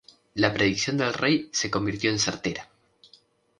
La predicción del rey se convirtió en certera.